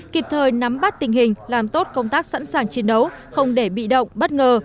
kịp thời nắm bắt tình hình làm tốt công tác sẵn sàng chiến đấu không để bị động bất ngờ